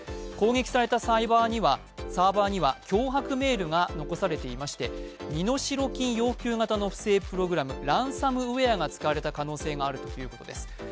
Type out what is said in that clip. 攻撃されたサーバーには脅迫メールが残されていまして身代金要求型の不正プログラムランサムウエアが使われた可能性があるということです。